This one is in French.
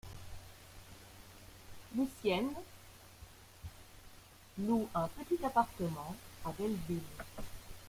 Lucienne loue un petit appartement à Belleville.